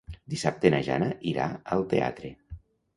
Dissabte na Jana irà al teatre.